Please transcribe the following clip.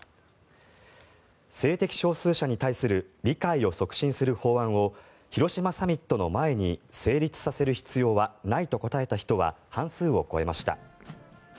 性的少数者に対する理解を促進する法案を広島サミットの前に成立させる必要はないと答えた人は半数を超えました。